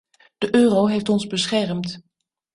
De euro heeft ons beschermd.